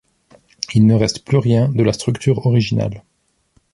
Il ne reste plus rien de la structure originale.